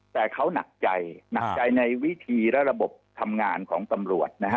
แต่เขาหนักใจหนักใจในวิธีและระบบทำงานของตำรวจนะฮะ